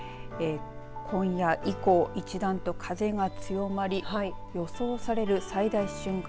今夜以降、一段と風が強まり予想される最大瞬間